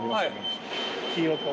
黄色と。